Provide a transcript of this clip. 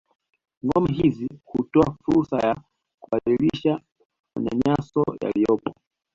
Ngoma hizi hutoa fursa ya kubadilisha manyanyaso yaliyopo